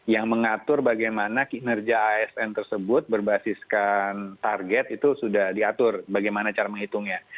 yang mengatur bagaimana kinerja asn tersebut berbasiskan target itu sudah diatur bagaimana cara menghitungnya